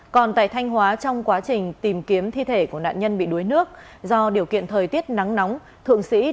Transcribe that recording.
còn tại thanh hóa trong quá trình tìm kiếm thi thể của nạn nhân bị đuối nước do điều kiện thời tiết nắng nóng thượng sĩ